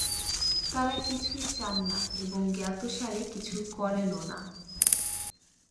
তাঁরা কিছুই চান না এবং জ্ঞাতসারে কিছু করেনও না।